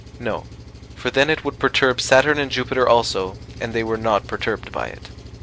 No, for then it would perturb Saturn and Jupiter also, and they were not perturbed by it.